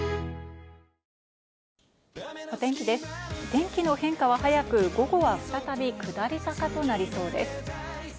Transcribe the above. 天気の変化は早く、午後は再び下り坂となりそうです。